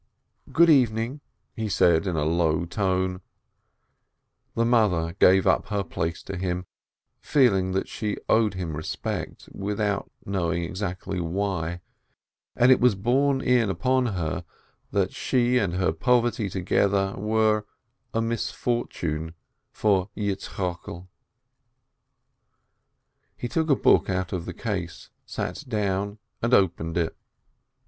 "Good evening !" he said in a low tone. The mother gave up her place to him, feeling that she owed him respect, without knowing exactly why, and it was borne in upon her that she and her poverty together were a misfortune for Yitzchokel. He took a book out of the case, sat down, and opened it.